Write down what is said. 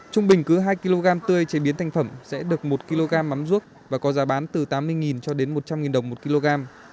trung bình cứ hai kg tươi chế biến thành phẩm sẽ được một kg mắm rút và có giá bán từ tám mươi cho đến một trăm linh đồng một kg